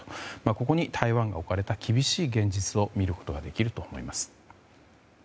ここに台湾の置かれた厳しい現実を見ることができると思います。